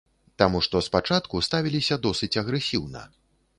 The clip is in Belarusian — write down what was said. Таму што спачатку ставіліся досыць агрэсіўна.